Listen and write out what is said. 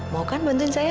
mau kan bantuin saya